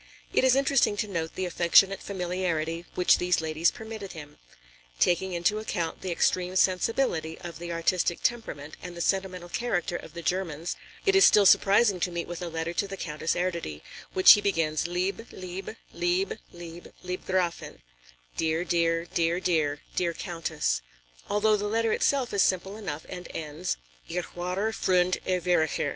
It is interesting to note the affectionate familiarity which these ladies permitted him. Taking into account the extreme sensibility of the artistic temperament and the sentimental character of the Germans, it is still surprising to meet with a letter to the Countess Erdödy, which he begins: "Liebe, liebe, liebe, liebe, liebe Gräfin" ("Dear, dear, dear, dear, dear Countess"), although the letter itself is simple enough and ends: "Ihr wahrer Freund und Verehrer."